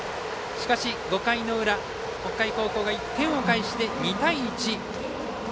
しかし、５回の裏、北海高校が１点を返して、２対１。